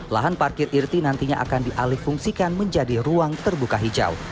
lahan parkir irti nantinya akan dialih fungsikan menjadi ruang terbuka hijau